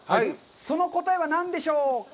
その答えは何でしょうか？